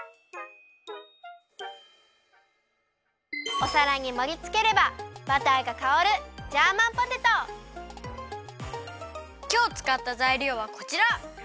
おさらにもりつければバターがかおるきょうつかったざいりょうはこちら。